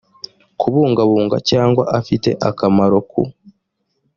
kubungabunga cyangwa afite akamaro ku